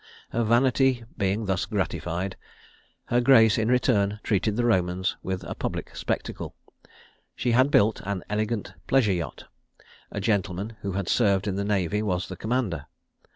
Her vanity being thus gratified, her grace, in return, treated the Romans with a public spectacle. She had built an elegant pleasure yacht; a gentleman who had served in the navy was the commander.